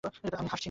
আমি হাসছি না!